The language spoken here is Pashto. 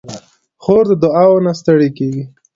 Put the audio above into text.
خور د دعاوو نه ستړې کېږي.